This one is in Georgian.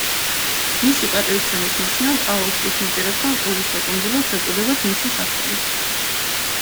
მისი პატივისცემის ნიშნად ალასკის ნაპირებთან ყურეს და კუნძულებს ეწოდებათ მისი სახელი.